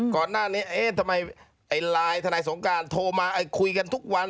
ก่อนหน้านี้เอ๊ะทำไมไอ้ไลน์ทนายสงการโทรมาคุยกันทุกวัน